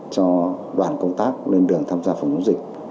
cho đoàn công tác lên đường tham gia phòng chống dịch